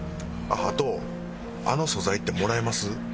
あっあとあの素材ってもらえます？